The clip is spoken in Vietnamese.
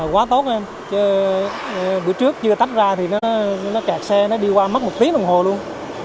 quá tốt em chứ buổi trước chưa tách ra thì nó kẹt xe nó đi qua mất một tiếng đồng hồ luôn